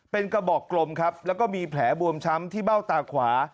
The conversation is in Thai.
เป็นกระบอกกลมครับแล้วก็มีแผลบวมช้ำที่เบ้าตาขวา